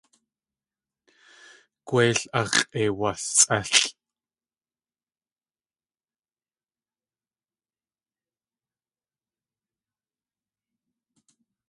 Gwéil ax̲ʼeiwasʼélʼ.